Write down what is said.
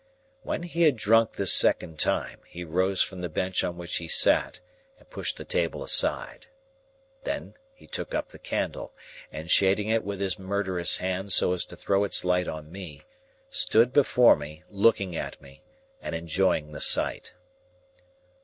When he had drunk this second time, he rose from the bench on which he sat, and pushed the table aside. Then, he took up the candle, and, shading it with his murderous hand so as to throw its light on me, stood before me, looking at me and enjoying the sight.